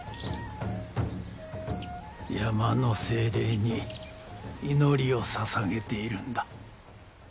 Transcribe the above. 山の精霊に祈りをささげているんだ。